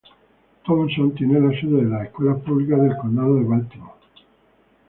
Towson tiene la sede de las Escuelas Públicas del Condado de Baltimore.